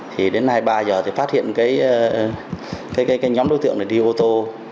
thì đến hai mươi ba h thì phát hiện cái nhóm đối tượng này đi ô tô